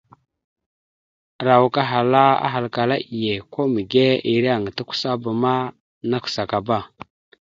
Arawak ahalkala iye kwa mege ireŋa tʉkəsaba ma nakəsakaba.